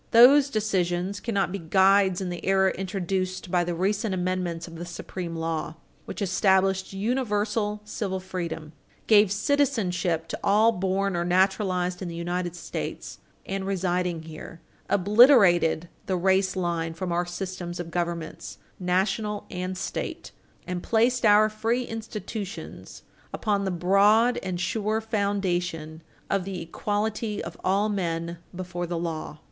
Those decisions cannot be guides in the era introduced by the recent amendments of the supreme law, which established universal civil freedom, gave citizenship to all born or naturalized in the United States and residing here, obliterated the race line from our systems of governments, National and State, and placed our free institutions upon the broad and sure foundation of the equality of all men before the law.